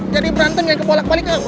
dia diberantem yang kepolak balik ke aku